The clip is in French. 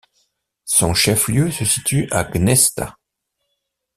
Son chef-lieu se situe à Gnesta.